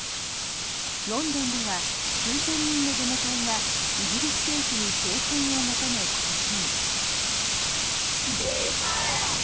ロンドンでは数千人のデモ隊がイギリス政府に停戦を求め行進。